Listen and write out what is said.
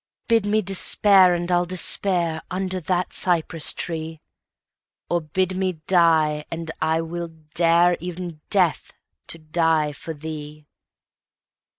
Bid me despair, and I'll despair, Under that cypress tree; Or bid me die, and I will dareE'en Death, to die for thee.